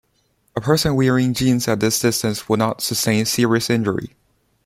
A person wearing jeans at this distance would not sustain serious injury.